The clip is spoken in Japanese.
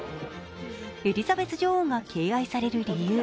エリザベス女王が敬愛される理由